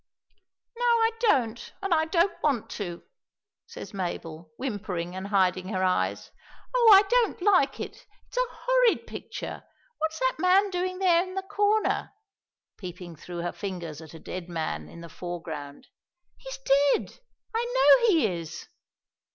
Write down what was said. "No, I don't, and I don't want to," says Mabel, whimpering and hiding her eyes. "Oh, I don't like it; it's a horrid picture! What's that man doing there in the corner?" peeping through her fingers at a dead man in the foreground. "He is dead! I know he is!"